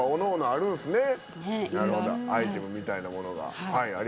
いろんなアイテムみたいなものが。